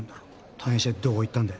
退院してどこ行ったんだ？